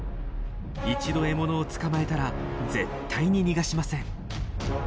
一度獲物を捕まえたら絶対に逃がしません。